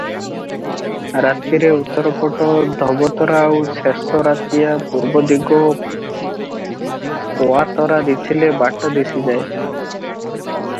ରାତିରେ ଉତ୍ତରପଟ ଧୋବତରା ଆଉ ଶେଷ ରାତିଆ ପୂର୍ବଦିଗ ପୋଆତରା ଦିଶିଲେ ବାଟ ଦିଶିଯାଏ ।